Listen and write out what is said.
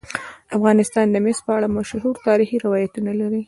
افغانستان د مس په اړه مشهور تاریخی روایتونه لري.